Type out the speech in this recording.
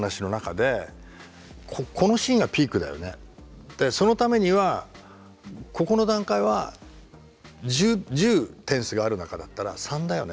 でそのためにはここの段階は１０点数がある中だったら３だよねとか５だよねとか。